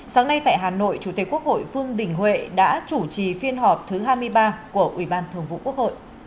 sáng nay tại hà nội chủ tịch quốc hội phương đình huệ đã chủ trì phiên họp thứ hai mươi ba của ubthqh